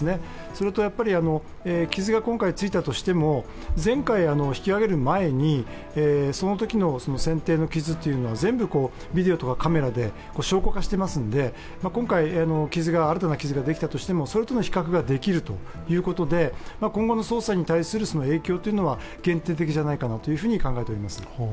それと、傷が今回ついたとしても前回、引き揚げる前にそのときの船底の傷は全部ビデオとかカメラで証拠化してますので、今回、傷ができたとしてもそれとの比較ができるということで、今後の捜査に対する影響というのは限定的じゃないかなと考えております。